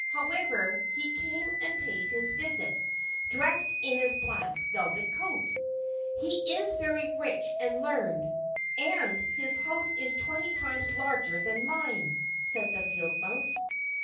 However, he came and paid his visit, dressed in his black velvet coat. "He is very rich and learned, and his house is twenty times larger than mine," said the field mouse.